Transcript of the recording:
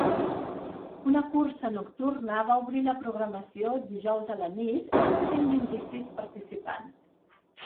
Una cursa nocturna va obrir la programació dijous a la nit amb cent vint-i-sis participants.